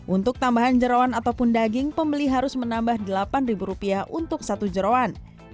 untuk tambahan jerawan ataupun daging pembeli harus menambah delapan rupiah untuk satu jerawan